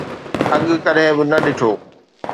اڳ ڪڏهن به نه ڏٺو